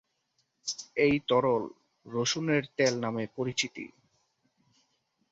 এই তরল রসুনের তেল নামে পরিচিত।